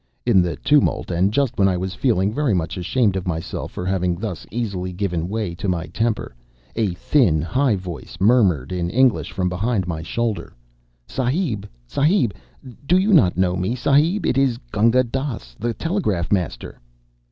In the tumult, and just when I was feeling very much ashamed of myself for having thus easily given way to my temper, a thin, high voice murmured in English from behind my shoulder: "Sahib! Sahib! Do you not know me? Sahib, it is Gunga Dass, the telegraph master."